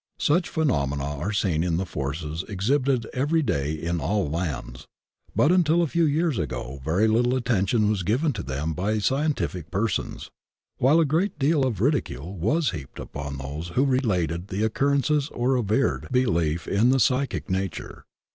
Such phenomena are seen and the forces exhibited every day in all lands, but until a few years ago very Uttle attention was given to them by scientific persons, while a great deal of ridi cule was heaped upon those who related the occur rences or averred belief in the psychic nature.